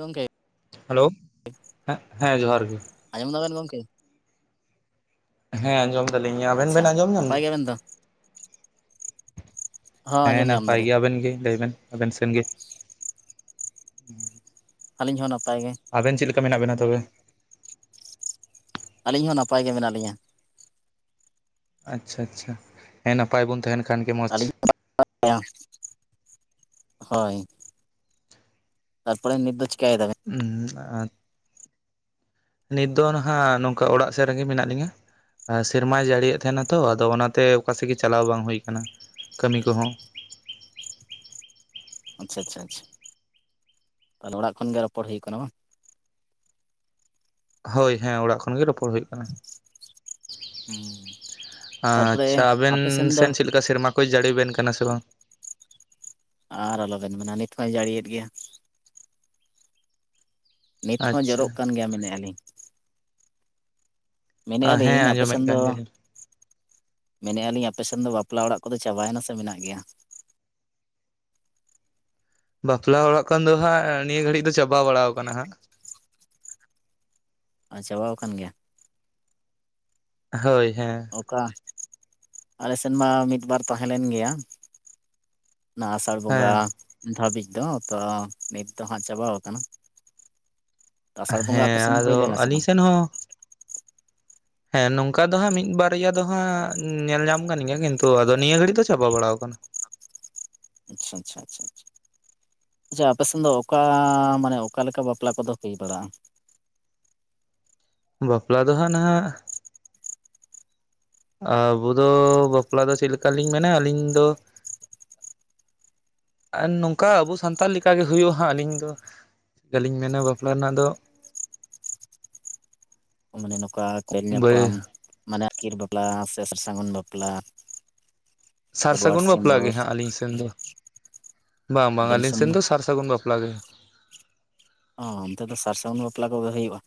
ᱜᱚᱝᱠᱮ ᱦᱮᱞᱳ, ᱦᱮᱸ ᱡᱚᱦᱟᱨ ᱜᱮ᱾ ᱟᱡᱸᱚᱢ ᱫᱟᱵᱮᱱ ᱜᱚᱢᱠᱮ ᱦᱮᱸ ᱟᱸᱡᱚᱢ ᱫᱟᱞᱤᱧ ᱾ ᱟᱵᱮᱱ ᱟᱪᱪᱷᱟ ᱵᱮᱱ ᱟᱸᱡᱚᱢ ᱧᱟᱢ ᱱᱟᱯᱟᱭ ᱮᱫᱟ? ᱜᱮᱭᱟᱵᱮᱱ ᱛᱚ ᱦᱚᱸ ᱦᱮᱸ ᱟᱸᱡᱚᱢ ᱧᱟᱢ ᱱᱟᱯᱟᱭ ᱫᱟᱞᱤᱧ ᱜᱮ ᱟᱵᱮᱱ ᱜᱮ ᱞᱟᱹᱭ ᱵᱮᱱ ᱟᱵᱮᱱ ᱥᱮᱱ ᱜᱮ ᱟᱹᱞᱤᱧ ᱦᱚᱸ ᱱᱟᱯᱟᱭ ᱜᱮ ᱟᱵᱮᱱ ᱪᱮᱫ ᱞᱮᱠᱟ ᱢᱮᱱᱟᱜ ᱵᱮᱱᱟ ᱛᱚᱵᱮ ᱟᱹᱞᱤᱧ ᱦᱚᱸ ᱱᱟᱯᱟᱭ ᱜᱮ ᱢᱮᱱᱟᱜ ᱞᱤᱧᱟᱹ ᱟᱪᱪᱷᱟ ᱟᱪᱪᱷᱟ ᱦᱮᱸ ᱱᱟᱯᱟᱭ ᱵᱚᱱ ᱛᱟᱦᱮᱸᱱᱟ ᱟᱹᱞᱤᱧ [unintelligible] ᱦᱳᱭ ᱛᱟᱨᱯᱚᱨᱮ ᱱᱤᱛ ᱫᱚ ᱪᱤᱠᱟᱭ ᱫᱟᱵᱮᱱ? [unintelligible] ᱟᱨ ᱱᱤᱛ ᱫᱚ ᱱᱟᱦᱟᱜ ᱱᱚᱝᱠᱟ ᱚᱲᱟᱜ ᱥᱮᱫ ᱨᱮᱜᱮ ᱢᱮᱱᱟᱜ ᱞᱤᱧᱟᱹ ᱾ ᱥᱮᱨᱢᱟᱭ ᱡᱟᱹᱲᱤᱭᱮᱫ ᱛᱟᱦᱮᱱᱟ ᱛᱚ ᱟᱫᱚ ᱚᱱᱟᱛᱮ ᱚᱠᱟ ᱥᱮᱫ ᱜᱮ ᱪᱟᱞᱟᱣ ᱵᱟᱝ ᱦᱩᱭ ᱟᱠᱟᱱᱟ ᱠᱟᱹᱢᱤ ᱠᱚᱦᱚᱸ ᱾ ᱟᱪᱪᱷᱟ ᱟᱪᱪᱷᱟ ᱟᱪᱪᱷᱟ ᱛᱟᱦᱚᱞᱮ ᱚᱲᱟᱜ ᱠᱷᱚᱱ ᱜᱮ ᱨᱚᱯᱚᱲ ᱦᱩᱭᱩᱜ ᱠᱟᱱᱟ ᱵᱟᱝ ᱦᱳᱭ ᱦᱮᱸ ᱚᱲᱟᱜ ᱠᱷᱚᱱᱜᱮ ᱨᱚᱯᱚᱲ ᱦᱩᱭᱩᱜ ᱠᱟᱱᱟ ᱛᱟᱨᱯᱚᱨᱮ ᱟᱪᱪᱷᱟ ᱟᱵᱮᱱ ᱟᱯᱮ ᱫᱚ ᱥᱮᱱ ᱪᱮᱫ ᱞᱮᱠᱟ ᱥᱮᱨᱢᱟ ᱦᱳᱭ ᱡᱟᱹᱲᱤ ᱣᱟᱵᱮᱱ ᱠᱟᱱᱟ ᱥᱮ ᱵᱟᱝ ᱟᱨ ᱟᱞᱚᱵᱮᱱ ᱢᱮᱱᱟ ᱱᱤᱛ ᱦᱚᱸᱭ ᱡᱟᱹᱲᱤᱭᱮᱫ ᱜᱮᱭᱟ᱾ ᱱᱤᱛ ᱦᱚᱸ ᱟᱪᱪᱷᱟ ᱡᱚᱨᱚᱜ ᱠᱟᱱ ᱜᱮᱭᱟ ᱢᱮᱱᱮᱫ-ᱟ ᱞᱤᱧ ᱢᱮᱱᱮᱫ ᱦᱮᱸ ᱟᱹᱞᱤᱧ ᱟᱯᱮ ᱟᱸᱡᱚᱢᱮᱫ ᱥᱮᱱ ᱫᱚ ᱠᱟᱱ ᱜᱮᱭᱟᱞᱤᱧ ᱢᱮᱱᱮᱜ ᱟᱹᱞᱤᱧ ᱟᱯᱮ ᱥᱮᱱ ᱫᱚ ᱵᱟᱯᱞᱟ ᱚᱲᱟᱜ ᱠᱚᱫᱚ ᱪᱟᱵᱟᱭᱮᱱᱟ ᱥᱮ ᱢᱮᱱᱟᱜ ᱜᱮᱭᱟ? ᱵᱟᱯᱞᱟ ᱚᱲᱟᱜ ᱠᱷᱚᱱ ᱫᱚ ᱦᱟᱸᱜ ᱱᱤᱭᱟᱹ ᱜᱷᱟᱹᱲᱤᱡ ᱫᱚ ᱪᱟᱵᱟ ᱵᱟᱲᱟ ᱠᱟᱱᱟ ᱦᱟᱸᱜ ᱟᱨ ᱪᱟᱵᱟ ᱣᱟᱠᱟᱱ ᱜᱮᱭᱟ ᱦᱳᱭ ᱦᱮᱸ ᱚᱠᱟ ᱟᱞᱮ ᱥᱮᱱ ᱢᱟ ᱢᱤᱫ ᱵᱟᱨ ᱛᱟᱦᱮᱸ ᱞᱮᱱ ᱜᱮᱭᱟ᱾ ᱚᱱᱟ ᱟᱥᱟᱲ ᱵᱚᱸᱜᱟ ᱦᱮᱸ ᱫᱷᱟᱹᱵᱤᱡ ᱫᱚ ᱛᱚ ᱱᱤᱛ ᱫᱚ ᱦᱟᱸᱜ ᱪᱟᱵᱟᱣ ᱟᱠᱟᱱᱟ᱾ ᱟᱥᱟᱲ ᱵᱚᱸᱜᱟ ᱟᱯᱮ ᱦᱮᱸ ᱥᱮᱱ ᱦᱩᱭ ᱟᱫᱚ ᱞᱮᱱᱟ ᱥᱮ ᱟᱹᱞᱤᱧ ᱵᱟᱝ? ᱥᱮᱱ ᱦᱚᱸ ᱦᱮᱸ ᱱᱚᱝᱠᱟ ᱫᱚ ᱦᱟᱸᱜ ᱢᱤᱫ ᱵᱟᱨᱭᱟ ᱫᱚ ᱦᱟᱸᱜ ᱧᱮᱞ ᱧᱟᱢ ᱟᱠᱟᱱ ᱜᱮᱭᱟ ᱠᱤᱱᱛᱩ ᱟᱫᱚ ᱱᱤᱭᱟᱹ ᱜᱷᱟᱹᱲᱤᱡ ᱫᱚ ᱪᱟᱵᱟ ᱵᱟᱲᱟᱣ ᱟᱠᱟᱱᱟ᱾ [unintelligible] ᱟᱪᱪᱷᱟ ᱟᱪᱪᱷᱟ ᱟᱪᱪᱷᱟ [unintelligible] ᱟᱪᱪᱷᱟ ᱟᱯᱮᱥᱮᱱ ᱫᱚ ᱚᱠᱟ, ᱢᱟᱱᱮ ᱚᱠᱟᱞᱮᱠᱟ ᱵᱟᱯᱞᱟ ᱠᱚᱫᱚ ᱦᱩᱭ ᱵᱟᱲᱟᱜᱼᱟ? ᱵᱟᱯᱞᱟ ᱫᱚ ᱦᱟᱸᱜ ᱱᱟᱦᱟᱜ᱾ ᱟᱵᱩ ᱫᱚ ᱵᱟᱯᱞᱟ ᱫᱚ ᱪᱮᱫ ᱞᱮᱠᱟᱞᱤᱧ ᱢᱮᱱᱟ ᱟᱹᱞᱤᱧ ᱫᱚ ᱟᱨ ᱱᱚᱝᱠᱟ ᱟᱵᱚ ᱥᱟᱱᱛᱟᱲ ᱞᱮᱠᱟᱜᱮ ᱦᱩᱭᱩᱜᱼᱟ ᱦᱟᱸᱜ ᱟᱹᱞᱤᱧ ᱫᱚ᱾ ᱟᱹᱞᱤᱧ ᱢᱮᱱᱟ ᱵᱟᱯᱞᱟ ᱨᱮᱱᱟᱜ ᱫᱚ ᱢᱟᱱᱮ ᱱᱚᱝᱠᱟ ᱠᱷᱮᱞ ᱵᱟᱹᱭ ᱧᱟᱯᱟᱢ, ᱢᱟᱱᱮ ᱟᱹᱠᱤᱨ ᱵᱟᱯᱞᱟ, ᱥᱮ ᱥᱟᱨᱥᱟᱹᱜᱩᱱ ᱵᱟᱯᱞᱟ ᱾ ᱥᱟᱨ ᱥᱟᱹᱜᱩᱱ ᱵᱟᱯᱞᱟ ᱜᱮ ᱦᱟᱸᱜ ᱟᱹᱞᱤᱧ ᱥᱮᱱ ᱫᱚ᱾ ᱵᱟᱝ ᱵᱟᱝ ᱟᱹᱞᱤᱧ ᱥᱮᱱ ᱫᱚ ᱥᱟᱨ ᱥᱟᱹᱜᱩᱱ ᱵᱟᱯᱞᱟ ᱜᱮ᱾ ᱚ ᱚᱱᱛᱮ ᱫᱚ ᱥᱟᱨ ᱥᱟᱹᱜᱩᱱ ᱵᱟᱯᱞᱟ ᱠᱚᱜᱮ ᱦᱩᱭᱩᱜᱼᱟ᱾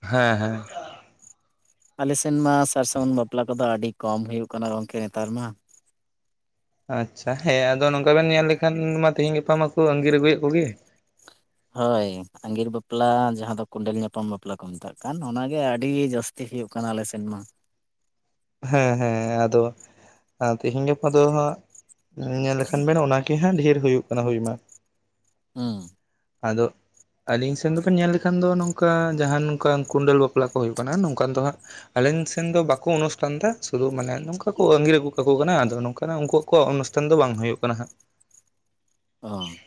ᱦᱮᱸ ᱦᱮᱸ᱾ ᱟᱞᱮᱥᱱ ᱢᱟ ᱥᱟᱨ ᱥᱟᱹᱜᱩᱱ ᱵᱟᱯᱞᱟ ᱠᱚᱫᱚ ᱟᱹᱰᱤ ᱠᱚᱢ ᱦᱩᱭᱩᱜ ᱠᱟᱱᱟ ᱜᱚᱝᱠᱮ ᱱᱮᱛᱟᱨ ᱢᱟ᱾ ᱟᱪᱪᱷᱟ ᱦᱮᱸ ᱟᱫᱚ ᱱᱚᱝᱠᱟ ᱵᱮᱱ ᱧᱮᱞ ᱞᱮᱠᱷᱟᱱ ᱢᱟ ᱛᱮᱦᱤᱧ ᱜᱟᱯᱟ ᱢᱟᱠᱚ ᱟᱸᱜᱤᱨ ᱟᱹᱜᱩᱭᱮᱫ ᱠᱚᱜᱮ᱾ ᱦᱳᱭ ᱟᱸᱜᱤᱨ ᱵᱟᱯᱞᱟ ᱡᱟᱦᱟᱸ ᱫᱚ ᱠᱚᱸᱰᱮᱞ ᱧᱟᱯᱟᱢ ᱵᱟᱯᱞᱟ ᱠᱚ ᱢᱮᱛᱟᱜ ᱠᱟᱱ ᱚᱱᱟ ᱜᱮ ᱟᱹᱰᱤ ᱡᱟᱹᱥᱛᱤ ᱛᱤ ᱦᱩᱭᱩᱜ ᱠᱟᱱᱟ ᱟᱞᱮ ᱥᱮᱱ ᱢᱟ᱾ ᱦᱮᱸ ᱦᱮᱸ ᱟᱫᱚ ᱛᱮᱦᱮᱤᱧ ᱜᱟᱯᱟ ᱫᱚ ᱦᱟᱸᱜ, ᱧᱮᱞ ᱞᱮᱠᱷᱟᱱ ᱵᱮᱱ ᱚᱱᱟ ᱠᱮᱦᱟᱸ ᱰᱷᱮᱨ ᱦᱩᱭᱩᱜ ᱠᱟᱱᱟ ᱦᱩᱭ ᱢᱟ᱾ ᱦᱮᱸ ᱟᱫᱚ ᱟᱹᱞᱤᱧ ᱥᱮᱱ ᱫᱚᱵᱮᱱ ᱧᱮᱞ ᱞᱮᱠᱷᱟᱱ ᱫᱚ ᱱᱚᱝ ᱚᱝᱠᱟ ᱡᱟᱦᱟᱸ ᱱᱚᱝᱠᱟ ᱠᱩᱸᱰᱟᱹᱞ ᱵᱟᱯᱞᱟ ᱠᱚ ᱦᱩᱭᱩᱜ ᱠᱟᱱᱟ ᱱᱚᱝᱠᱟᱱ ᱫᱚ ᱦᱟᱸᱜ ᱟᱞᱤᱧ ᱥᱮᱱ ᱫᱚ ᱵᱟᱠᱚ ᱚᱱᱩᱥ ᱯᱷᱟᱱᱫᱟ ᱥᱩᱫᱩ ᱢᱟᱱᱮ ᱱᱚᱝᱠᱟ ᱠᱚ ᱟᱸᱜᱤᱨ ᱟᱹᱜᱩ ᱠᱟᱠᱚ ᱠᱟᱱᱟ ᱟᱫᱚ ᱱᱚᱝᱠᱟ ᱩᱱᱠᱩᱣᱟᱜ ᱠᱚᱣᱟᱜ ᱚᱱᱩᱥᱴᱷᱟᱱ ᱫᱚ ᱵᱟᱝ ᱦᱩᱭᱩᱜ ᱠᱟᱱᱟ ᱦᱟᱸᱜ᱾ ᱚᱻ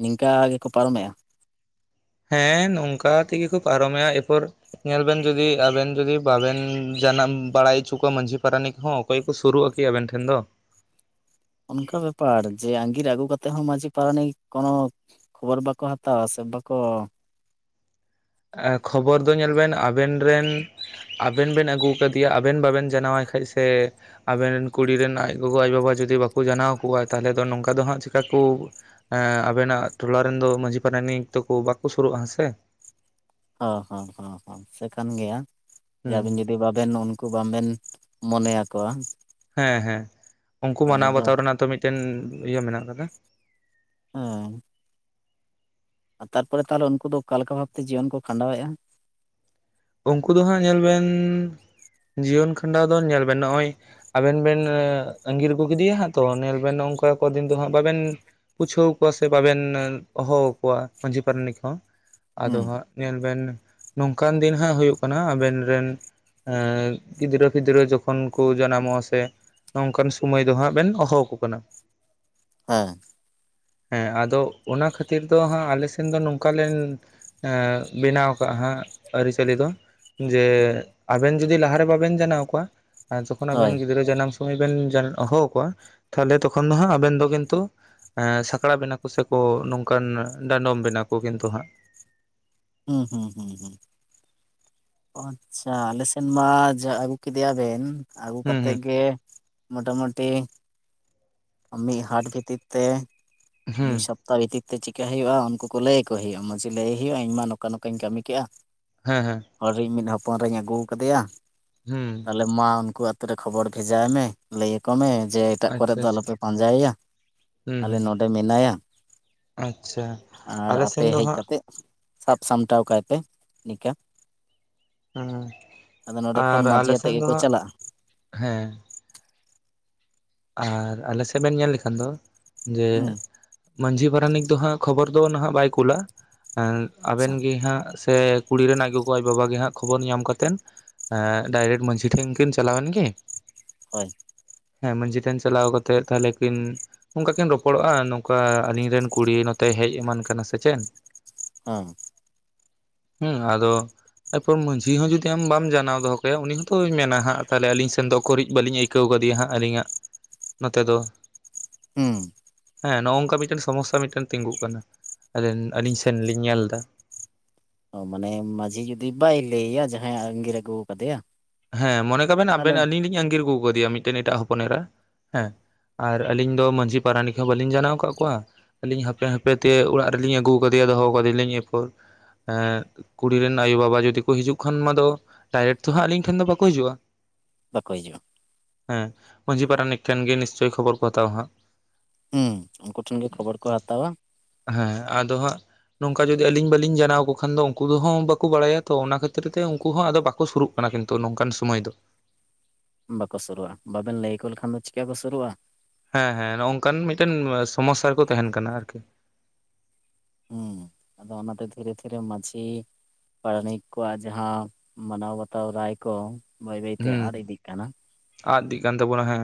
ᱱᱤᱝᱠᱟ ᱜᱮᱠᱚ ᱯᱟᱨᱚᱢᱮᱼᱟ᱾ ᱦᱮᱸ ᱱᱚᱝᱠᱟ ᱛᱮᱜᱮ ᱠᱩ ᱯᱟᱨᱚᱢᱮᱭᱟ ᱮᱨᱯᱚᱨ ᱧᱮᱞ ᱵᱮᱱ ᱡᱩᱫᱤ ᱟᱵᱮᱱ ᱡᱩᱫᱤ ᱵᱟᱵᱮᱱ ᱡᱟᱱᱟᱢ ᱵᱟᱲᱟᱭ ᱦᱚᱪᱚ ᱠᱚᱣᱟ ᱢᱟᱺᱡᱷᱤ ᱯᱟᱨᱟᱱᱤᱠ ᱠᱚᱦᱚᱸ ᱚᱠᱚᱭ ᱠᱚ ᱥᱩᱨᱩᱜᱼᱟ᱾ ᱠᱮ ᱟᱵᱮᱱ ᱴᱷᱮᱱ ᱫᱚ᱾ ᱚᱱᱠᱟ ᱵᱮᱯᱟᱨ ᱡᱮ ᱟᱸᱜᱤᱨ ᱟᱹᱜᱩ ᱠᱟᱛᱮ ᱦᱚᱸ ᱢᱺᱡᱷᱤ ᱯᱟᱨᱟᱱᱤᱠ ᱠᱚᱱᱚ ᱠᱷᱚᱵᱚᱨ ᱵᱟᱠᱚ ᱦᱟᱛᱟᱣᱟ ᱥᱮ ᱵᱟᱠᱚ᱾ ᱠᱷᱚᱵᱚᱨ ᱫᱚ ᱧᱮᱞ ᱵᱮᱱ ᱟᱵᱮᱱ ᱨᱮᱱ ᱟᱵᱮᱱ ᱵᱮᱱ ᱟᱹᱜᱩ ᱟᱠᱟᱫᱮᱭᱟ ᱟᱵᱮᱱ ᱵᱟᱵᱮᱱ ᱡᱟᱱᱟᱣᱟᱭ ᱠᱷᱟᱡ ᱥᱮ ᱟᱵᱮᱱ ᱨᱮᱱ ᱠᱩᱲᱤ ᱨᱮᱱ ᱟᱡ ᱜᱚᱜᱚ ᱟᱡ ᱵᱟᱵᱟ ᱡᱩᱚᱫᱤ ᱵᱟᱠᱚ ᱡᱟᱱᱟᱣ ᱠᱚᱣᱟ, ᱛᱟᱦᱚᱞᱮ ᱫᱚ ᱱᱚᱝᱠᱟ ᱫᱚ ᱦᱟᱸᱜ ᱪᱤᱟᱹ ᱠᱩ ᱟᱵᱮᱱᱟᱜ ᱴᱚᱞᱟ ᱨᱮᱱ ᱫᱚ ᱢᱟᱺᱡᱷᱤ ᱯᱟᱨᱟᱱᱤᱠ ᱛᱚᱠᱚ ᱵᱟᱠᱚ ᱥᱩᱨᱩᱜᱼᱟ ᱦᱮᱸ ᱥᱮ᱾ ᱦᱚᱸ ᱦᱚᱸᱮ ᱦᱚᱸ ᱦᱚᱸ ᱥᱮ ᱠᱟᱱ ᱜᱮᱭᱟ ᱟᱵᱮᱱ ᱦᱩᱸ ᱡᱩᱫᱤ ᱵᱟᱵᱮᱱ ᱩᱱᱠᱩ ᱵᱟᱵᱮᱱ ᱢᱚᱱᱮ ᱭᱟᱠᱚᱣᱟ ᱦᱮᱸ ᱦᱮᱸ ᱩᱱᱠᱩ ᱢᱟᱱᱟᱣ ᱫᱚ ᱵᱟᱛᱟᱣ ᱨᱮᱱᱟᱜ ᱛᱚ ᱢᱤᱫᱴᱮᱱ ᱤᱭᱟᱹ ᱢᱮᱱᱟᱜ ᱟᱠᱟᱫᱟ᱾ ᱦᱚᱸᱻ ᱟᱨ ᱛᱟᱨᱯᱚᱨᱮ ᱛᱟᱦᱚᱞᱮ ᱩᱱᱠᱩ ᱫᱚ ᱚᱠᱟ ᱞᱮᱠᱟ ᱵᱷᱟᱵᱛᱮ ᱡᱤᱭᱚᱱ ᱠᱚ ᱠᱷᱟᱸᱰᱟᱣᱮᱜᱼᱟ? ᱩᱱᱠᱩ ᱫᱚ ᱦᱟᱸᱜ ᱧᱮᱞ ᱵᱮᱱ ᱡᱤᱭᱚᱱ ᱠᱷᱟᱸᱰᱟᱣ ᱫᱚ ᱧᱮᱞ ᱵᱮᱱ ᱱᱚᱜᱼᱚᱭ ᱟᱵᱮᱱ ᱵᱮᱱ ᱟᱸᱜᱤᱨ ᱟᱹᱜᱩ ᱠᱮᱫᱮᱭᱟ ᱦᱟᱸᱜ ᱛᱚ ᱧᱮᱞ ᱵᱮᱱ ᱱᱚᱝᱠᱟ ᱠᱚ ᱫᱤᱱ ᱫᱚ ᱦᱟᱸᱜ ᱵᱟᱵᱮᱱ ᱯᱩᱪᱷᱟᱹᱣ ᱠᱚᱣᱟ ᱥᱮ ᱵᱟᱵᱮᱱ ᱦᱚᱦᱚ ᱟᱠᱚᱣᱟ ᱢᱟᱹᱡᱷᱤ ᱯᱟᱨᱟᱱᱤᱠ ᱦᱚᱸ᱾ ᱟᱫᱚ ᱦᱩᱸ ᱦᱟᱸᱜ ᱧᱮᱞ ᱵᱮᱱ ᱱᱚᱝᱠᱟᱱ ᱫᱤᱱ ᱦᱟᱸᱜ ᱦᱩᱭᱩᱜ ᱠᱟᱱᱟ ᱟᱵᱮᱱ ᱨᱮᱱ ᱮᱸ ᱜᱤᱫᱽᱨᱟᱹ ᱯᱤᱫᱽᱨᱟᱹ ᱡᱚᱠᱷᱚᱱ ᱠᱚ ᱡᱟᱱᱟᱢᱚᱜ-ᱟ ᱥᱮ ᱱᱚᱝᱠᱟᱱ ᱥᱳᱢᱚᱭ ᱫᱚ ᱦᱟᱸᱜ ᱵᱮᱱ ᱦᱚᱦᱚ ᱟᱠᱚ ᱠᱟᱱᱟ᱾ ᱦᱮᱸ ᱦᱮᱸ ᱟᱫᱚ ᱚᱱᱟ ᱠᱷᱟᱹᱛᱤᱨ ᱫᱚ ᱦᱟᱸᱜ ᱟᱞᱮ ᱥᱮᱱ ᱫᱚ ᱱᱚᱝᱠᱟ ᱞᱮᱱ ᱮᱸ ᱵᱮᱱᱟᱣ ᱠᱟᱜ ᱦᱟᱸᱜ᱾ ᱟᱹᱨᱤᱪᱟᱹᱞᱤ ᱫᱚ ᱡᱮ ᱟᱵᱮᱱ ᱡᱩᱫᱤ ᱞᱟᱦᱟᱨᱮ ᱵᱟᱵᱮᱱ ᱡᱟᱱᱟᱣ ᱠᱚᱣᱟ ᱟᱨ ᱡᱚᱠᱷᱚᱱ ᱟᱵᱮᱱ ᱦᱳᱭ ᱜᱤᱫᱽᱨᱟᱹ ᱡᱟᱱᱟᱢ ᱥᱚᱢᱚᱭ ᱵᱮᱱ ᱦᱚᱦᱚ ᱟᱠᱚᱣᱟ ᱛᱟᱦᱞᱮ ᱛᱚᱠᱷᱚᱱ ᱫᱚ ᱦᱟᱸᱜ ᱟᱵᱮᱱ ᱫᱚ ᱠᱤᱱᱛᱩ ᱥᱟᱠᱲᱟ ᱵᱮᱱᱟ ᱠᱚ ᱥᱮᱠᱚ ᱱᱚᱝᱠᱟᱱ ᱰᱟᱸᱰᱚᱢ ᱵᱮᱱᱟ ᱠᱚ ᱠᱤᱱᱛᱩ ᱦᱟᱸᱜ᱾ ᱦᱩᱸ ᱦᱩᱸ ᱦᱩᱸ ᱦᱩᱸ ᱟᱪᱪᱷᱟ ᱟᱞᱮ ᱥᱮᱫ ᱢᱟ ᱟᱹᱜᱩ ᱠᱮᱫᱮᱭᱟ ᱵᱮᱱ ᱟᱹᱜᱩ ᱦᱩᱸ ᱠᱟᱛᱮᱫ ᱦᱩᱸ ᱜᱮ ᱢᱚᱴᱟᱢᱩᱴᱤ ᱢᱤᱫ ᱦᱟᱴ ᱵᱷᱤᱛᱤᱨ ᱛᱮ ᱦᱩᱸ ᱢᱤᱫ ᱥᱚᱯ ᱛᱟ ᱵᱷᱤᱛᱤᱨ ᱛᱮ ᱪᱤᱠᱠᱟ ᱦᱩᱭᱩᱜᱼᱟ ᱩᱱᱠᱩ ᱠᱚ ᱞᱟᱹᱭ ᱟᱠᱚ ᱦᱩᱭᱩᱜᱼᱟ ᱢᱚᱹᱸᱡᱷᱤ ᱞᱟᱹᱭ ᱦᱩᱭᱩᱜᱼᱟ ᱤᱧᱢᱟ ᱱᱚᱠᱟ ᱱᱚᱠᱟᱧ ᱠᱟᱹᱢᱤ ᱠᱮᱫᱼᱟ᱾ ᱦᱮᱸ ᱦᱮᱸ᱾ ᱦᱚᱲᱤᱧ ᱢᱤᱫ ᱦᱚᱯᱚᱱ ᱮᱨᱟᱧ ᱟᱹᱜᱩ ᱟᱠᱟᱫᱮᱭᱟ, ᱦᱩᱸ ᱛᱟᱦᱚᱞᱮ ᱢᱟ ᱩᱱᱠᱩ ᱠᱷᱚᱵᱚᱨ ᱵᱷᱮᱡᱟᱭ ᱢᱮ ᱞᱟᱹᱭ ᱟᱠᱚ ᱢᱮ ᱡᱮ ᱮᱴᱟᱜ ᱠᱚᱨᱮ ᱟᱪᱪᱷᱟ ᱫᱚ ᱟᱪᱪᱷᱟ ᱟᱞᱚᱯᱮ ᱯᱟᱸᱡᱟᱭᱮᱭᱟ, ᱦᱩᱸ ᱟᱞᱮ ᱦᱩᱸ ᱱᱚᱰᱮ ᱢᱮᱱᱟᱭᱟ᱾ ᱟᱪᱪᱷᱟ ᱟᱨ ᱟᱞᱮ ᱟᱯᱮ ᱥᱮᱱ ᱫᱚ ᱦᱮᱡ ᱦᱟᱸᱜ ᱠᱟᱛᱮᱜ ᱥᱟᱵ ᱥᱟᱢᱴᱟᱣ ᱠᱟᱭ ᱯᱮ ᱱᱤᱝᱠᱟᱹ ᱟᱫᱚ ᱱᱚᱰᱮ ᱠᱷᱚᱱ ᱟᱨ ᱢᱟᱺᱡᱷᱤ ᱟᱞᱮᱥᱮᱱ ᱟᱛᱮᱜ ᱫᱚ ᱜᱮᱠᱚ ᱦᱟᱸᱜ ᱪᱟᱞᱟᱜᱼᱟ ᱦᱮᱸ ᱟᱨ ᱟᱞᱮ ᱥᱮᱫ ᱵᱮᱱ ᱧᱮᱞ ᱞᱮᱠᱷᱟᱱ ᱫᱚ ᱡᱮ ᱦᱩᱸ ᱢᱟᱺᱡᱷᱤ ᱯᱟᱨᱟᱱᱤᱠ ᱫᱚᱦᱟᱸᱜ ᱠᱷᱚᱵᱚᱨ ᱫᱚ ᱱᱟᱦᱟᱜ ᱵᱟᱭ ᱠᱩᱞᱟ, ᱮ ᱟᱵᱮᱱ ᱟᱪᱪᱷᱟ ᱜᱮ ᱦᱟᱸᱜ ᱥᱮ ᱠᱩᱲᱤ ᱨᱮᱱ ᱟᱡ ᱜᱚᱜᱚ ᱟᱡ ᱵᱟᱵᱟ ᱜᱮ ᱦᱟᱸᱜ ᱠᱷᱚᱵᱚᱨ ᱧᱟᱢ ᱠᱟᱛᱮᱱ ᱮᱸ ᱰᱟᱭᱨᱮᱠᱴ ᱢᱟᱺᱡᱷᱤ ᱴᱷᱮᱱ ᱠᱤᱱ ᱪᱟᱞᱟᱣᱮᱱ ᱜᱤ᱾ ᱦᱳᱭ᱾ ᱦᱮᱸ ᱢᱟᱺᱡᱷᱤ ᱴᱷᱮᱱ ᱪᱟᱞᱟᱣ ᱠᱟᱛᱮᱜ ᱛᱟᱦᱚᱞᱮ ᱠᱤᱱ ᱚᱝᱠᱟ ᱠᱤᱱ ᱨᱚᱯᱚᱲᱚᱜᱼᱟ ᱱᱚᱝᱠᱟ ᱟᱞᱤᱧ ᱨᱮᱱ ᱠᱩᱲᱤ ᱱᱚᱛᱮ ᱦᱮᱡ ᱮᱢᱟᱱ ᱠᱟᱱᱟ᱾ ᱥᱮ ᱪᱮᱱ? ᱦᱮᱸ ᱦᱩᱸ ᱟᱫᱚ ᱮᱨᱯᱚᱨ ᱢᱟᱺᱡᱷᱤ ᱦᱚᱸ ᱡᱩᱫᱤ ᱟᱢ ᱵᱟᱢ ᱡᱟᱱᱟᱣ ᱫᱚᱦᱚ ᱠᱟᱭᱟ ᱩᱱᱤ ᱦᱚᱸᱛᱚᱭ ᱢᱮᱱᱟ ᱦᱟᱜ ᱛᱟᱦᱚᱞᱮ ᱟᱹᱞᱤᱧ ᱥᱮᱱ ᱫᱚ ᱚᱠᱚᱨᱤᱡ ᱵᱟᱹᱞᱤᱧ ᱟᱹᱭ ᱠᱟᱹᱣ ᱠᱟ. ᱫᱮ ᱦᱟᱸᱜ ᱟᱹᱞᱤᱧᱟᱜ ᱱᱚᱛᱮ ᱫᱚ ᱦᱩᱸ ᱦᱮᱸ ᱱᱚᱝᱠᱟ ᱢᱤᱫᱴᱮᱱ ᱥᱚᱢᱚᱥᱥᱟ ᱢᱤᱫᱴᱮᱱ ᱛᱤᱸᱜᱩᱜ ᱠᱟᱱᱟ ᱟᱹᱞᱤᱧ ᱥᱮᱱ ᱞᱤᱧ ᱧᱮᱞ ᱮᱫᱟ᱾ ᱚ ᱢᱟᱱᱮ ᱢᱟᱺᱡᱷᱤ ᱡᱩᱫᱤ ᱵᱟᱭ ᱞᱟᱹᱭᱼᱭᱟ ᱡᱟᱦᱟᱸᱭ ᱟᱸᱜᱤᱨ ᱟᱹᱜᱩ ᱟᱠᱟᱫᱮᱭᱟ᱾ ᱦᱮᱸ ᱢᱚᱱᱮ ᱠᱟᱵᱮᱱ ᱛᱟᱦᱚᱞᱮ ᱟᱵᱮᱱ ᱟᱞᱤᱧ ᱞᱤᱧ ᱟᱸᱜᱤᱨᱜᱩ ᱟᱠᱟᱫᱮᱭᱟ ᱢᱤᱫᱽᱴᱮᱱ ᱮᱴᱟᱜ ᱦᱚᱯᱚᱱ ᱮᱨᱟ᱾ ᱦᱮᱸ ᱟᱨ ᱟᱹᱞᱤᱧ ᱫᱚ ᱢᱟᱺᱡᱷᱤ ᱯᱟᱨᱟᱱᱤᱠ ᱦᱚᱸ ᱵᱟᱹᱞᱤᱧ ᱡᱟᱱᱟᱣ ᱟᱠᱟᱫ ᱠᱚᱣᱟ᱾ ᱟᱹᱞᱤᱧ ᱦᱟᱯᱮ ᱦᱟᱯᱮ ᱛᱮ ᱚᱲᱟᱜ ᱨᱮᱞᱤᱧ ᱟᱹᱜᱩ ᱠᱟᱫᱮᱭᱟ ᱫᱚᱦᱚ ᱠᱟᱫᱮ ᱟᱞᱤᱧ ᱮᱨᱯᱚᱨ ᱠᱩᱲᱤᱨᱮᱱ ᱟᱭᱩ ᱵᱟᱵᱟ ᱡᱩᱫᱤ ᱠᱚ ᱦᱤᱡᱩᱜ ᱠᱷᱟᱱ ᱢᱟ ᱫᱚ ᱰᱟᱭᱨᱮᱠᱴ ᱛᱚ ᱦᱟᱸᱜ ᱞᱤᱧ ᱴᱷᱮᱱ ᱫᱚ ᱵᱟᱠᱚ ᱦᱤᱡᱩᱜ-ᱟ᱾ ᱵᱟᱠᱚ ᱦᱤᱡᱩᱜ-ᱟ᱾ ᱦᱮᱸ ᱢᱟᱺᱡᱷᱤ ᱯᱟᱨᱟᱱᱤᱠ ᱴᱮᱱ ᱜᱮ ᱱᱤᱥᱪᱚᱭ ᱠᱷᱚᱵᱚᱨ ᱠᱚ ᱦᱟᱛᱟᱣᱟ ᱦᱟᱸᱜ ᱦᱩᱸ ᱩᱱᱠᱩ ᱴᱷᱮᱱ ᱜᱮ ᱠᱷᱚᱵᱚᱨ ᱠᱚ ᱦᱟᱛᱟᱣᱟ᱾ ᱦᱮᱸ ᱟᱫᱚ ᱦᱟᱸᱜ ᱱᱚᱝᱠᱟ ᱡᱩᱫᱤ ᱟᱹᱞᱤᱧ ᱵᱟᱹᱞᱤᱧ ᱡᱟᱱᱟᱣ ᱠᱚ ᱠᱷᱟᱱ ᱫᱚ ᱩᱱᱠᱩ ᱫᱚ ᱦᱚ ᱵᱟᱠᱚ ᱵᱟᱲᱟᱭᱟ ᱛᱚ ᱚᱱᱟ ᱠᱷᱟᱹᱛᱤᱨ ᱛᱮ ᱩᱱᱠᱩ ᱦᱚᱸ ᱟᱫᱚ ᱵᱟᱠᱚ ᱥᱩᱨᱩᱜ ᱠᱟᱱᱟ ᱠᱤᱱᱛᱩ ᱛᱚ ᱱᱚᱝᱠᱟᱱ ᱥᱚᱢᱟᱭ ᱫᱚ ᱵᱟᱠᱚ ᱥᱩᱨᱩᱜ-ᱟ ᱵᱟᱵᱮᱱ ᱞᱟᱹᱭᱟᱠᱚ ᱞᱮᱠᱷᱟᱱ ᱫᱚ ᱪᱤᱠᱟ ᱠᱚ ᱥᱩᱨᱩᱜ-ᱟ᱾ ᱦᱮᱸ ᱦᱮᱸ ᱱᱚᱜᱝᱠᱟᱱ ᱢᱤᱫᱽᱴᱮᱱ ᱥᱚᱢᱚᱥᱥᱟ ᱨᱮᱠᱚ ᱛᱟᱦᱮᱱ ᱠᱟᱱᱟ ᱟᱨᱠᱤ ᱦᱮᱸ ᱟᱫᱚ ᱚᱱᱟᱛᱮ ᱫᱷᱤᱨᱮ ᱫᱷᱤᱨᱮ ᱢᱟᱺᱡᱷᱤ ᱯᱟᱨᱟᱱᱤᱠ ᱠᱚᱣᱟᱜ ᱡᱟᱦᱟᱸ ᱢᱟᱱᱟᱣ ᱵᱟᱛᱟᱣ ᱨᱟᱭ ᱠᱚ ᱵᱟᱹᱭ ᱵᱟᱹᱭᱛᱮ ᱦᱩᱸ ᱟᱫ ᱤᱫᱤᱜ ᱠᱟᱱᱟ᱾ ᱟᱫ ᱤᱫᱤᱜ ᱠᱟᱱ ᱛᱟᱵᱚᱱᱟ ᱦᱮᱸ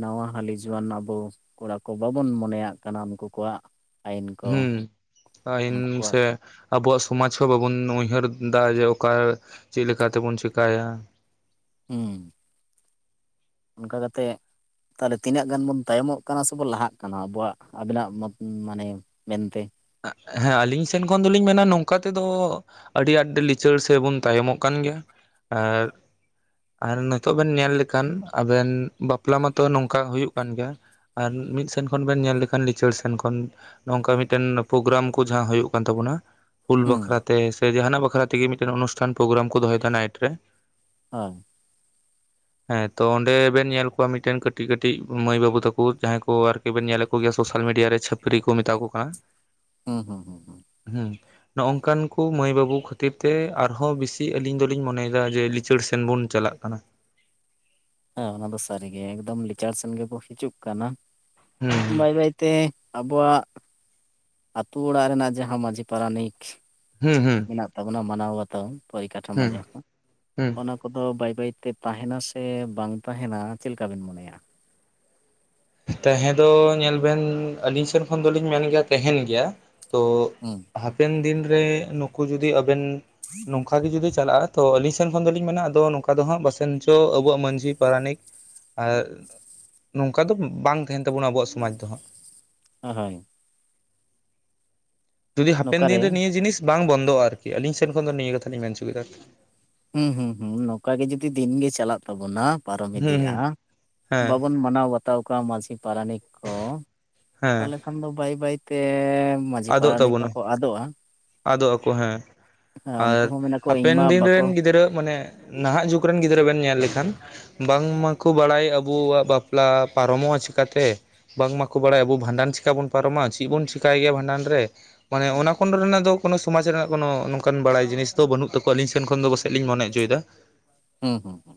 ᱱᱟᱣᱟ ᱦᱟᱹᱞᱤ ᱡᱩᱣᱟᱹᱱ ᱟᱵᱚ ᱠᱚᱲᱟ ᱠᱚ ᱵᱟᱵᱚᱱ ᱢᱚᱱᱮᱭᱟᱜ ᱠᱟᱱᱟ ᱩᱱᱠᱩ ᱠᱚᱣᱟᱜ ᱟᱹᱭᱤᱱ ᱠᱚ ᱦᱩᱸ ᱛᱟᱦᱮᱱ ᱩᱱᱠᱩ ᱠᱚᱣᱟᱜ ᱥᱮ ᱟᱵᱚᱣᱟᱜ ᱥᱚᱢᱟᱡᱽ ᱦᱚᱸ ᱵᱟᱵᱩᱱ ᱩᱭᱦᱟᱹᱨ ᱮᱫᱟ ᱡᱮ ᱚᱠᱟ ᱪᱮᱫ ᱞᱮᱠᱟ ᱛᱮᱵᱚᱱ ᱪᱤᱠᱟᱭᱟ᱾ ᱦᱩᱸ ᱚᱱᱠᱟ ᱠᱟᱛᱮᱜ ᱛᱟᱦᱚᱞᱮ ᱛᱤᱱᱟᱹᱜ ᱜᱟᱱ ᱵᱚᱱ ᱛᱟᱭᱚᱢᱚᱜ ᱠᱟᱱᱟ ᱥᱮᱵᱚᱱ ᱞᱟᱦᱟᱜ ᱠᱟᱱᱟ ᱟᱵᱚᱣᱟᱜ ᱟᱵᱤᱱᱟᱜ ᱢᱚᱛ ᱢᱟᱱᱮ ᱢᱮᱱᱛᱮ ᱦᱮᱸ ᱟᱹᱞᱤᱧ ᱥᱮᱱ ᱠᱷᱚᱱ ᱫᱚᱞᱤᱧ ᱢᱮᱱᱟ ᱱᱚᱝᱠᱟ ᱛᱮᱫᱚ ᱟᱹᱰᱤ ᱟᱸᱴ ᱞᱤᱪᱟᱹᱲ ᱥᱮᱵᱚᱱ ᱛᱟᱭᱚᱢᱚᱜ ᱠᱟᱱ ᱜᱮᱭᱟ ᱟᱨ ᱟᱨ ᱱᱤᱛᱚᱜ ᱵᱮᱱ ᱧᱮᱞ ᱞᱮᱠᱷᱟᱱ ᱟᱵᱮᱱ ᱵᱟᱯᱞᱟ ᱢᱟᱛᱚ ᱱᱚᱝᱠᱟ ᱦᱩᱭᱩᱜ ᱠᱟᱱ ᱜᱮᱭᱟ ᱟᱨ ᱢᱤᱫ ᱥᱮᱱ ᱠᱷᱚᱱ ᱵᱮᱱ ᱧᱮᱞ ᱞᱮᱠᱷᱟᱱ ᱞᱤᱪᱟᱹᱲ ᱥᱮᱱ ᱠᱷᱚᱱ ᱱᱚᱝᱠᱟ ᱢᱤᱫᱴᱮᱱ ᱯᱨᱳᱜᱨᱟᱢ ᱠᱚ ᱡᱟᱦᱟ ᱡᱚᱦᱳᱜ ᱠᱟᱱ ᱛᱟᱵᱚᱱᱟ ᱦᱩᱞ ᱦᱩᱸ ᱵᱟᱠᱷᱨᱟ ᱛᱮ ᱡᱟᱦᱟᱱᱟᱜ ᱵᱟᱠᱷᱨᱟ ᱛᱮᱜᱮ ᱢᱤᱫᱴᱮᱱ ᱚᱱᱩᱥᱴᱷᱟᱱ ᱯᱨᱳᱜᱨᱟᱢ ᱠᱚ ᱫᱚᱦᱚᱭ ᱛᱟᱦᱮᱱᱟ ᱱᱟᱭᱤᱴ ᱨᱮ ᱦᱮᱸ [inaudible] ᱦᱮᱸ ᱛᱚ ᱚᱸᱰᱮ ᱵᱮᱱ ᱧᱮᱞ ᱠᱚᱣᱟ ᱢᱤᱫᱴᱮᱱ ᱠᱟᱹᱴᱤᱡ ᱠᱟᱹᱴᱤᱡ ᱢᱟᱹᱭ ᱵᱟᱹᱵᱩ ᱛᱟᱠᱚ ᱡᱟᱦᱟᱸᱭ ᱠᱚ ᱟᱨᱠ ᱵᱮᱱ ᱧᱮᱞᱮᱫ ᱠᱚᱜᱮᱭᱟ ᱥᱳᱥᱟᱞ ᱢᱤᱰᱤᱭᱟ ᱨᱮ ᱪᱷᱟᱯᱨᱤ ᱠᱚ ᱢᱮᱛᱟ ᱠᱚ ᱠᱟᱱᱟ ᱦᱮᱸ ᱦᱩ ᱦᱮᱸ ᱦᱮᱸ ᱱᱚᱜᱝᱠᱟᱱ ᱠᱚ ᱢᱟᱹᱭ ᱵᱟᱹᱵᱩ ᱠᱷᱟᱹᱛᱤᱨ ᱛᱮ ᱟᱨᱦᱚᱸ ᱵᱮᱥᱤ ᱟᱹᱞᱤᱧ ᱫᱚᱞᱤᱧ ᱢᱚᱱᱮᱭᱮᱫᱟ ᱡᱮ ᱞᱤᱪᱟᱹᱲ ᱥᱮᱱ ᱵᱚᱱ ᱪᱟᱞᱟᱜ ᱠᱟᱱᱟ ᱦᱮᱸ ᱚᱱᱟ ᱫᱚ ᱥᱟᱹᱨᱤ ᱜᱮ ᱮᱠᱫᱚᱢ ᱞᱮᱤᱪᱟᱲ ᱥᱮᱱ ᱜᱮᱠᱚ ᱦᱤᱡᱩᱜ ᱠᱟᱱᱟ ᱦᱩᱸ ᱵᱟᱭ ᱵᱟᱭ ᱛᱮ ᱟᱵᱚᱣᱟᱜ ᱟᱛᱳ ᱚᱲᱟᱜ ᱨᱮᱱᱟᱜ ᱡᱟᱦᱟᱸ ᱢᱺᱡᱷᱤ ᱯᱟᱨᱟᱱᱤᱠ ᱦᱩᱸ ᱦᱩᱸ ᱢᱮᱱᱟᱜ ᱛᱟᱵᱚᱱᱟ ᱢᱟᱱᱟᱣ ᱵᱟᱛᱟᱣ ᱯᱚᱨᱤᱠᱟᱴᱷᱟᱢᱳ ᱦᱩᱸ ᱡᱟᱦᱟᱸᱟ ᱦᱩᱸ ᱠᱚ ᱚᱱ ᱠᱚᱫᱚ ᱵᱟᱹᱭ ᱵᱟᱹᱭ ᱛᱮ ᱛᱟᱦᱮᱱᱟ ᱥᱮ ᱵᱟᱝ ᱛᱟᱦᱮᱱᱟ ᱪᱮᱫ ᱞᱮᱠᱟ ᱵᱤᱱ ᱢᱚᱱᱮᱭᱟ ᱛᱟᱦᱮᱸ ᱫᱚ ᱧᱮᱞ ᱵᱮᱱ ᱟᱹᱞᱤᱧ ᱥᱮᱱ ᱠᱷᱚᱱ ᱫᱚᱞᱤᱧ ᱢᱮᱱ ᱜᱮᱭᱟ ᱛᱟᱦᱮᱱ ᱜᱮᱭᱟ ᱛᱚ ᱦᱩᱸ ᱦᱟᱯᱮᱱ ᱫᱤᱱᱨᱮ ᱱᱩᱠᱩ ᱡᱩᱫᱤ ᱟᱵᱮᱱ [inaudible] ᱱᱚᱝᱠᱟ ᱜᱮ ᱡᱩᱫᱤ ᱪᱟᱞᱟᱜᱼᱟ ᱛᱚ ᱟᱹᱞᱤᱧ ᱥᱮᱱ ᱠᱷᱚᱱ ᱫᱚᱞᱤᱧ ᱢᱮᱱᱟ ᱟᱫᱚ ᱱᱚᱝᱠᱟ ᱫᱚ ᱦᱟᱸᱜ ᱵᱟᱥᱮᱱ ᱪᱚ ᱟᱵᱚᱣᱟᱜ ᱢᱟᱺᱡᱷᱤ ᱯᱟᱨᱟᱱᱤᱠ ᱟᱨ ᱚᱱᱠᱟ ᱫᱚ ᱵᱟᱝ ᱛᱟᱦᱮᱱ ᱛᱟᱵᱚᱱᱟ ᱟᱵᱚᱣᱟᱜ ᱥᱚᱢᱟᱡᱽ ᱫᱚ ᱦᱟᱸᱜ ᱦᱳ ᱦᱳᱭ ᱡᱩᱫᱤ ᱦᱟᱯᱮᱱ ᱫᱤᱱ ᱨᱮ ᱱᱤᱭᱟᱹ ᱡᱤᱱᱤᱥ ᱵᱟᱝ ᱵᱚᱱᱫᱚᱜᱼᱟ ᱟᱨᱠᱤ ᱟᱹᱞᱤᱧ ᱥᱮᱱ ᱠᱷᱚᱱ ᱫᱚ ᱱᱤᱭᱟᱹ ᱠᱟᱛᱷᱟ ᱞᱤᱧ ᱢᱮᱱ ᱚᱪᱚ ᱠᱮᱫᱟ᱾ ᱦᱩᱸ ᱦᱩᱸ ᱦᱩᱸ ᱱᱚᱝᱠᱟ ᱜᱮ ᱡᱩᱫᱤ ᱫᱤᱱ ᱜᱮ ᱪᱟᱞᱟᱜ ᱛᱟᱵᱚᱱᱟ ᱯᱟᱨᱚᱢ ᱦᱩᱸ ᱤᱫᱤᱜᱼᱟ ᱦᱩᱸ ᱦᱮᱸ ᱵᱟᱵᱚᱱ ᱢᱟᱱᱟᱣ ᱵᱟᱛᱟᱣ ᱠᱚᱣᱟ ᱢᱟᱺᱡᱷᱤ ᱯᱟᱨᱟᱱᱤᱠ ᱠᱚ ᱦᱮᱸ ᱛᱟᱦᱚᱞᱮ ᱠ ᱠᱷᱟᱱ ᱫᱚ ᱵᱟᱹᱭ ᱵᱟᱹᱭ ᱛᱮ ᱢᱟᱹᱡᱷᱤ ᱟᱫᱚᱜ ᱯᱟᱨᱟᱱᱤᱠ ᱠᱚᱦᱚ ᱛᱟᱵᱚᱱᱟ ᱠᱩ ᱟᱫᱚᱜᱼᱟ ᱟᱫᱚᱜ ᱟᱠᱚ ᱦᱮᱸ [inaudible] ᱦᱮᱸ ᱩᱱᱠᱩ ᱟᱨ ᱦᱚᱸ ᱢᱮᱱᱟᱜ ᱠᱚ ᱤᱧᱢᱟ ᱦᱟᱯᱮᱱ ᱫᱤᱱ ᱵᱟᱠᱚ ᱨᱮᱱ ᱜᱤᱫᱽᱨᱟᱹ ᱢᱟᱱᱮ ᱱᱟᱦᱟᱜ ᱡᱩᱜᱽ ᱨᱮᱱ ᱜᱤᱫᱽᱨᱟᱹ ᱵᱮᱱ ᱧᱮᱞ ᱞᱮᱠᱷᱟᱱ ᱵᱟᱝᱢᱟᱠᱚ ᱵᱟᱲᱟᱭ ᱟᱵᱚᱣᱟᱜ ᱵᱟᱯᱞᱟ ᱯᱟᱨᱚᱢᱚᱜᱼᱟ ᱪᱤᱠᱟ ᱛᱮ ᱵᱟᱝ ᱢᱟᱠᱚ ᱵᱟᱲᱟᱭ ᱟᱵᱚ ᱵᱷᱟᱸᱰᱟᱱ ᱪᱤᱠᱟᱹ ᱵᱚᱱ ᱯᱟᱨᱚᱢᱟ ᱪᱮᱫ ᱵᱚᱱ ᱪᱤᱠᱟᱹᱭ ᱜᱮᱭᱟ ᱵᱷᱟᱸᱰᱟᱱ ᱨᱮ ᱢᱟᱱᱮ ᱚᱱᱟ ᱠᱚ ᱨᱮᱱᱟᱜ ᱫᱚ ᱠᱳᱱᱳ ᱥᱚᱢᱟᱡᱽ ᱨᱮᱱᱟᱜ ᱠᱳᱱᱳ ᱱᱚᱝᱠᱟᱱ ᱵᱟᱲᱟᱭ ᱡᱤᱱᱤᱥ ᱫᱚ ᱵᱟᱹᱱᱩᱜ ᱛᱟᱠᱚᱣᱟ ᱟᱹᱞᱤᱧ ᱥᱮᱱ ᱠᱷᱚᱱ ᱫᱚ ᱯᱟᱥᱮᱡ ᱞᱤᱧ ᱢᱚᱱᱮ ᱪᱚᱭ ᱮᱫᱟ ᱦᱩᱸ ᱦᱩᱸ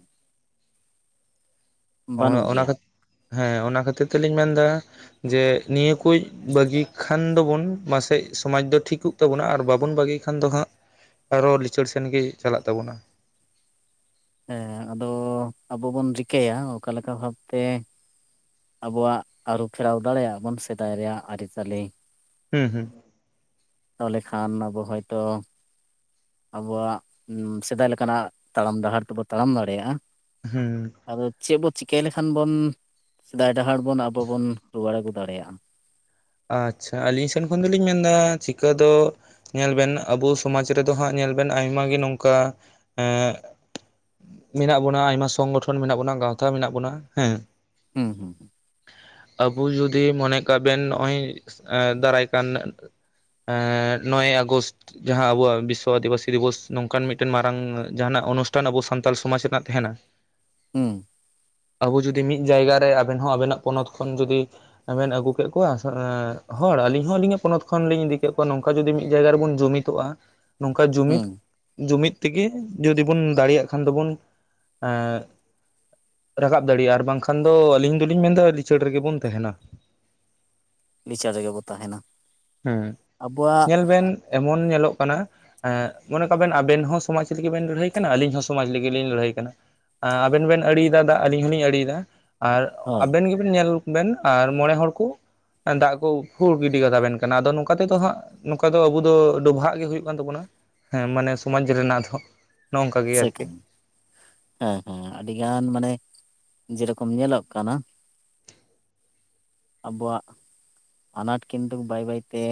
ᱚ ᱵᱟᱹᱱᱩᱜ ᱚᱱᱟ ᱜᱮᱭᱟ ᱠᱷᱟᱛ ᱦᱮᱸ ᱚᱱᱟ ᱠᱷᱟᱹᱛᱤᱨ ᱛᱮᱞᱤᱧ ᱢᱮᱱᱫᱟ ᱡᱮ ᱱᱤᱭᱟᱹ ᱠᱩᱡ ᱵᱟᱹᱜᱤ ᱠᱷᱟᱱ ᱫᱚᱵᱚᱱ ᱢᱟᱥᱮᱡ ᱥᱚᱢᱟᱡᱽ ᱫᱚ ᱴᱷᱤᱠᱚᱜ ᱛᱟᱵᱚᱱᱟ ᱟᱨ ᱵᱟᱵᱚᱱ ᱵᱟᱹᱜᱤ ᱠᱷᱟᱱ ᱫᱚ ᱦᱟᱸᱜ ᱟᱨᱚ ᱞᱤᱪᱟᱹᱲ ᱥᱮᱱ ᱜᱮ ᱪᱟᱞᱟᱜ ᱛᱟᱵᱚᱱᱟ ᱦᱮᱸ ᱟᱫᱚ ᱟᱵᱚ ᱵᱚᱱ ᱨᱤᱠᱟᱹᱭᱟ ᱚᱠᱟ ᱞᱮᱠᱟ ᱵᱷᱟᱵ ᱛᱮ ᱟᱵᱚᱣᱟᱜ ᱟᱹᱨᱩ ᱯᱷᱮᱨᱟᱣ ᱫᱟᱲᱮᱭᱟᱜ ᱵᱚᱱ ᱥᱮᱫᱟᱭ ᱨᱮᱭᱟᱜ ᱟᱹᱨᱤ ᱪᱟᱹᱞᱤ ᱦᱩᱸ ᱦᱩᱸ ᱛᱟᱦᱚᱞᱮ ᱠᱷᱟᱱ ᱟᱵᱚ ᱦᱚᱭᱛᱚ ᱟᱵᱚᱣᱟᱜ ᱥᱮᱫᱟᱭ ᱞᱮᱠᱟᱱᱟᱜ ᱛᱟᱲᱟᱢ ᱰᱟᱦᱟᱨ ᱛᱮᱵᱚ ᱛᱟᱲᱟᱢ ᱫᱟᱲᱮᱭᱟᱜᱼᱟ ᱦᱩᱸ ᱟᱫᱚ ᱪᱮᱫ ᱵᱚᱱ ᱪᱤᱠᱟᱹᱭ ᱞᱮᱠᱷᱟᱱ ᱵᱚᱱ ᱥᱮᱫᱟᱭ ᱰᱟᱦᱟᱨ ᱵᱚᱱ ᱟᱵᱚ ᱵᱚᱱ ᱨᱩᱣᱟᱹᱲ ᱟᱜᱩ ᱫᱟᱲᱮᱭᱟᱜᱼᱟ ᱟᱪᱪᱷᱟ ᱟᱹᱞᱤᱧ ᱥᱮᱱ ᱠᱷᱚᱱ ᱫᱚᱞᱤᱧ ᱢᱮᱱᱫᱟ ᱪᱤᱠᱟᱹ ᱫᱚ ᱧᱮᱞ ᱵᱮᱱ ᱟᱵᱚ ᱥᱚᱢᱟᱡ ᱨᱮᱫᱚ ᱦᱟᱸᱜ ᱧᱮᱞ ᱵᱮᱱ ᱟᱭᱢᱟ ᱜᱮ ᱱᱚᱝᱠᱟ ᱮᱸ ᱢᱮᱱᱟᱜ ᱵᱚᱱᱟ ᱟᱭᱢᱟ ᱥᱚᱝᱜᱚᱴᱷᱚᱱ ᱢᱮᱱᱟᱜ ᱵᱚᱱᱟ ᱜᱟᱶᱛᱟ ᱢᱮᱱᱟᱜ ᱵᱚᱱᱟ ᱦᱮᱸ ᱦᱩᱸ ᱦᱩᱸ ᱦᱩᱸ, ᱟᱵᱚ ᱡᱩᱫᱤ ᱢᱚᱱᱮᱭ ᱠᱟᱜ ᱵᱮᱱ ᱱᱚᱜᱼᱚᱭ ᱫᱟᱨᱟᱭ ᱠᱟᱱ ᱱᱚᱭᱮ ᱟᱜᱚᱥᱴ ᱡᱟᱦᱟᱸ ᱟᱵᱚᱣᱟᱜ ᱵᱤᱥᱥᱚ ᱟᱹᱫᱤᱵᱟᱹᱥᱤ ᱫᱤᱵᱚᱥ ᱱᱚᱝᱠᱟᱱ ᱢᱤᱫᱴᱮᱱ ᱢᱟᱨᱟᱝ ᱡᱟᱦᱟᱱᱟᱜ ᱚᱱᱩᱥᱴᱷᱟᱱ ᱟᱵᱚ ᱥᱟᱱᱛᱟᱞ ᱥᱚᱢᱟᱡᱽ ᱨᱮᱱᱟᱜ ᱛᱟᱦᱮᱱᱟ ᱦᱩᱸ ᱟᱵᱚ ᱡᱩᱫᱤ ᱢᱤᱫ ᱡᱟᱭᱜᱟ ᱨᱮ ᱟᱵᱮᱱ ᱦᱚᱸ ᱟᱵᱮᱱᱟᱜ ᱯᱚᱱᱚᱛ ᱠᱷᱚᱱ ᱡᱩᱫᱤᱵᱮᱱ ᱟᱹᱜᱩ ᱠᱮᱫ ᱠᱚᱣᱟ᱾ ᱠᱚᱣᱟ ᱦᱚᱲ ᱟᱞᱤᱧ ᱦᱚᱸ ᱟᱹᱞᱤᱧᱟᱜ ᱯᱚᱱᱚᱛ ᱠᱷᱚᱱᱞᱤᱤᱧ ᱤᱫᱤ ᱠᱮᱫ ᱠᱚᱣᱟ ᱱᱚᱝᱠᱟ ᱡᱩᱫᱤ ᱢᱤᱫ ᱡᱟᱭᱜᱟ ᱨᱮᱵᱚᱱ ᱡᱩᱢᱤᱫᱚᱜᱼᱟ ᱱᱚᱝᱠᱟ ᱡᱩᱢᱤᱫ ᱦᱩᱸ ᱡᱩᱢᱤᱫ ᱛᱮᱜᱮ ᱡᱩᱫᱤ ᱵᱚᱱ ᱫᱟᱲᱮᱭᱟᱜ ᱠᱷᱟᱱ ᱫᱚᱵᱚᱱ ᱮᱸ ᱨᱟᱠᱟᱵ ᱫᱟᱲᱮᱭᱟᱜᱼᱟ ᱟᱨ ᱵᱟᱝᱠᱷᱟᱱ ᱫᱚ ᱟᱹᱞᱤᱧ ᱫᱚᱞᱤᱧ ᱢᱮᱱᱫᱟ ᱞᱤᱪᱟᱹᱲ ᱨᱮᱜᱮᱵᱚᱱ ᱛᱟᱦᱮᱱᱟ᱾ ᱞᱤᱪᱟᱹᱲ ᱨᱮᱜᱮ ᱠᱚ ᱛᱟᱦᱮᱱᱟ᱾ ᱦᱮᱸ ᱟᱵᱚᱣᱟᱜ ᱧᱮᱞ ᱵᱮᱱ ᱮᱢᱚᱱ ᱧᱮᱞᱚᱜ ᱠᱟᱱᱟ ᱮᱸ ᱢᱚᱱᱮ ᱠᱚᱟᱜᱵᱮᱱ ᱟᱵᱮᱱ ᱦᱚᱸ ᱥᱚᱢᱟᱡᱽ ᱞᱟᱹᱜᱤᱫ ᱵᱮᱱ ᱞᱟᱹᱲᱦᱟᱹᱭ ᱠᱟᱱᱟ ᱟᱹᱞᱤᱧ ᱦᱚᱸ ᱥᱚᱢᱟᱡᱽ ᱞᱟᱹᱜᱤᱫ ᱞᱤᱧ ᱞᱟᱹᱲᱦᱟᱹᱭ ᱠᱟᱱᱟ᱾ ᱟᱵᱮᱱ ᱵᱮᱱ ᱟᱲᱤᱭᱮᱫᱟ ᱫᱟᱜ ᱟᱞᱤᱧ ᱦᱚᱞᱤᱧ ᱟᱲᱤᱭᱮᱫᱟ᱾ ᱟᱨ ᱦᱳᱭ ᱟᱵᱮᱱ ᱜᱮᱵᱮᱱ ᱧᱮᱞ ᱵᱮᱱ ᱟᱨ ᱢᱚᱬᱮ ᱦᱚᱲ ᱠᱚ ᱫᱟᱜ ᱠᱚ ᱦᱩᱲ ᱜᱤᱰᱤ ᱠᱟᱛᱟᱵᱮᱱ ᱠᱟᱱᱟ ᱟᱫᱚ ᱱᱚᱝᱠᱟ ᱛᱮᱫᱚ ᱦᱟᱸᱜ ᱱᱚᱝᱠᱟ ᱫᱚ ᱟᱵᱚ ᱫᱚ ᱰᱚᱵᱷᱟᱜ ᱜᱮ ᱦᱩᱭᱩᱜ ᱠᱟᱱ ᱛᱟᱵᱳᱱᱟ ᱦᱮᱸ ᱢᱟᱱᱮ ᱥᱚᱢᱟᱡ ᱨᱮᱱᱟᱜ ᱛᱷᱚ᱾ ᱥᱮ ᱠᱟᱹ ᱦᱮᱸ ᱦᱮᱸ ᱟᱹᱰᱤ ᱜᱟᱱ ᱢᱟᱱᱮ ᱡᱮᱨᱚᱠᱚᱢ ᱧᱮᱞᱚᱜ ᱠᱟᱱᱟ᱾ ᱟᱵᱚ ᱣᱟᱜ ᱟᱱᱟᱴ ᱠᱤᱱᱛᱩ ᱵᱟᱹᱭ ᱵᱟᱹᱭᱛᱮ,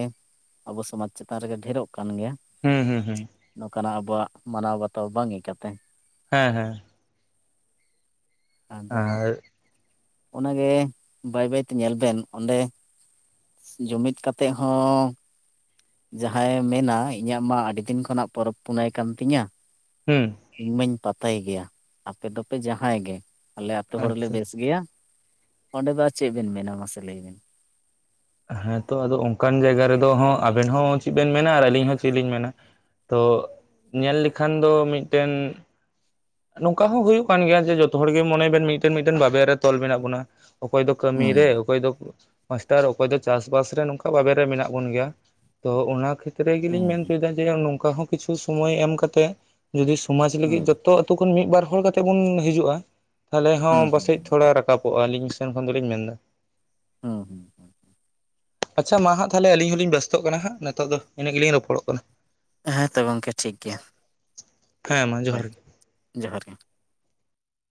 ᱟᱵᱚ ᱥᱚᱢᱟᱡᱽ ᱪᱮᱛᱟᱱ ᱨᱮᱜᱮ ᱰᱷᱮᱨᱚᱜ ᱠᱟᱱ ᱜᱮᱭᱟ᱾ ᱦᱩᱸ ᱦᱩᱸ ᱦᱩᱸ, ᱱᱚᱝᱠᱟᱱᱟᱜ ᱟᱵᱚᱣᱟᱜ ᱢᱟᱱᱟᱣ ᱵᱟᱛᱟᱣ ᱵᱟᱝ ᱠᱟᱛᱮ᱾ ᱦᱮᱸ ᱦᱮᱸ ᱟᱫᱚ ᱟᱨ ᱚᱱᱟᱜᱮ ᱵᱟᱹᱭ ᱵᱟᱹᱭ ᱛᱮ ᱧᱮᱞ ᱵᱮᱱ ᱚᱸᱰᱮ ᱡᱩᱢᱤᱫ ᱠᱟᱛᱮᱮᱫ ᱦᱚᱸ ᱡᱟᱦᱟᱸᱭᱮ ᱢᱮᱱᱟ ᱤᱧᱟᱹᱜ ᱢᱟ ᱟᱹᱰᱤᱰ ᱫᱤᱱ ᱠᱷᱚᱱᱟᱜ ᱯᱚᱨᱚᱵᱽ ᱯᱩᱱᱟᱹᱭ ᱠᱟᱱ ᱛᱤᱧᱟᱹ᱾ ᱦᱩᱸ ᱤᱧ ᱢᱟᱧ ᱯᱟᱛᱟᱭ ᱜᱮᱭᱟ ᱟᱯᱮ ᱫᱚᱯᱮ ᱡᱟᱦᱟᱸᱭ ᱜᱮ ᱟᱞᱮ ᱟ ᱟᱹᱛᱩᱳ ᱦᱚᱲᱞ ᱞᱮ ᱟᱪᱪᱷᱟ ᱵᱮᱥ ᱜᱮᱭᱟ᱾ ᱚᱸᱰᱮ ᱫᱚ ᱟᱨ ᱪᱮᱫ ᱵᱮᱱ ᱢᱮᱱᱟ ᱢᱟᱥᱮ ᱞᱟᱹᱭ ᱵᱤᱱ? ᱦᱮᱸᱛᱚ ᱟᱫᱚ ᱚᱱᱠᱟᱱ ᱡᱟᱭᱜᱟ ᱨᱮᱫᱚ ᱟᱵᱮᱱ ᱦᱚᱸ ᱪᱮᱫ ᱵᱮᱱ ᱢᱮᱱᱟ ᱟᱨ ᱟᱹᱞᱤᱧ ᱦᱚᱸ ᱪᱮᱫ ᱞᱤᱧ ᱢᱮᱱᱟ᱾ ᱛᱚ ᱧᱮᱞ ᱞᱮᱠᱷᱟᱱ ᱫᱚ ᱢᱤᱫᱴᱮᱱ ᱱᱚᱝᱠᱟ ᱦᱚᱸ ᱦᱩᱭᱩᱜ ᱠᱟᱱ ᱜᱮᱭᱟ ᱡᱮ ᱡᱚᱛᱚ ᱦᱚᱲᱜᱮ ᱢᱚᱱᱮ ᱵᱮᱱ ᱢᱤᱫᱴᱮᱱᱴᱮᱱ ᱵᱟᱵᱮ ᱨᱮ ᱛᱚᱞ ᱢᱮᱱᱟᱜ ᱵᱚᱱᱟ᱾ ᱚᱠᱚᱭ ᱫᱚ ᱠᱟᱹᱢᱤ ᱨᱮ ᱦᱩᱸ ᱚᱠᱚᱭ ᱫᱚ ᱢᱟᱥᱴᱟᱨ ᱚᱠᱚᱭ ᱫᱚ ᱪᱟᱥᱵᱟᱥ ᱨᱮ ᱱᱚᱝᱠᱟ ᱵᱟᱵᱮ ᱨᱮ ᱢᱮᱱᱟᱜ ᱵᱚᱱ ᱜᱮᱭᱟ᱾ ᱛᱚ ᱚᱱᱟ ᱠᱷᱟᱹᱤᱨ ᱨᱮᱜᱮᱞᱤᱧ ᱢᱮᱱ ᱦᱩᱸ ᱦᱚᱪᱚᱭᱮᱫᱟ ᱡᱮ ᱱᱚᱝᱠᱟ ᱦᱚᱸᱚᱸᱤᱪᱷᱩ ᱥᱚᱢᱳᱚᱭ ᱮᱢ ᱠᱟᱛᱮ ᱡᱩᱫᱤ ᱥᱚᱢᱟᱡ ᱞᱟᱹᱜᱤᱫ ᱦᱩᱸ ᱡᱚᱛᱚ ᱛᱚ ᱟᱛᱩᱳ ᱠᱷᱚᱱ ᱢᱤᱫ ᱵᱟᱨ ᱦᱚᱲ ᱠᱟᱛᱮ ᱵᱚᱱ ᱦᱤᱡᱩᱜᱼᱟ ᱛᱟᱦᱦᱮ ᱦᱩᱸ ᱦᱚᱸ ᱯᱟᱥᱮᱡ ᱦᱩᱸ ᱛᱷᱚᱲᱟ ᱨᱟᱠᱟᱵᱚᱜᱼᱟ ᱟᱹᱞᱤᱧ ᱥᱮᱱ ᱠᱷᱚᱱ ᱫᱚᱞᱤᱧ ᱢᱮᱱ ᱮᱫᱟ᱾ ᱦᱩᱸ ᱦᱩᱸ ᱦᱩᱸ ᱟᱪᱷᱟ ᱢᱟ ᱦᱟᱸ ᱛᱟᱦᱚᱞᱮ ᱟᱹᱞᱤᱧ ᱦᱚᱞᱤᱧ ᱵᱮᱥᱛᱚᱜ ᱠᱟᱱᱟ ᱦᱟᱸᱜ, ᱱᱤᱛᱚᱜ ᱫᱚ ᱤᱱᱟᱹᱜ ᱜᱮᱞᱤᱧ ᱨᱚᱯᱚᱲᱚᱜ ᱠᱟᱱᱟ᱾ ᱦᱮᱸ ᱛᱚ ᱜᱚᱝᱠᱮ ᱴᱷᱤᱠ ᱜᱮᱭᱟ᱾ ᱦᱮᱸ ᱢᱟ ᱡᱚᱦᱟᱨ ᱦᱳᱭ ᱜᱮ ᱡᱚᱦᱟᱨ ᱜᱮ